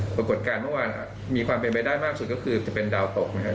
ปรากฏการณ์เมื่อวานมีความเป็นไปได้มากสุดก็คือจะเป็นดาวตกนะครับ